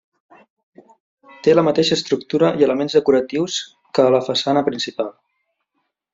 Té la mateixa estructura i elements decoratius que a la façana principal.